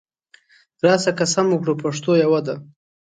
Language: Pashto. راسه قسم وکړو پښتو یوه ده